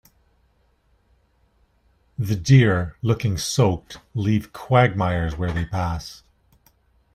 The deer, looking soaked, leave quagmires where they pass.